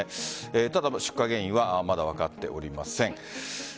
ただ、出火原因は分かっておりません。